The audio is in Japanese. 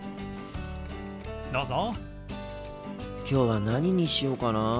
今日は何にしようかな。